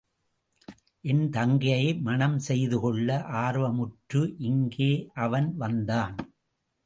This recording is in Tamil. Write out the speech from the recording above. என் தங்கையை மணம் செய்துகொள்ள ஆர்வமுற்று, இங்கே அவன் வந்தான்.